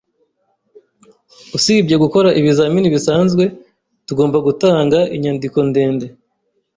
Usibye gukora ibizamini bisanzwe, tugomba gutanga inyandiko ndende